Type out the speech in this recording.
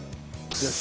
よし。